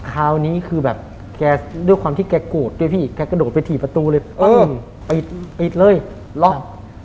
คราวนี้คือแบบแกด้วยความที่แกโกรธด้วยพี่แกกระโดดไปถี่ประตูเลยปิดปิดเลยล็อก